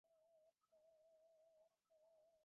এটা সেরকম কিছু না।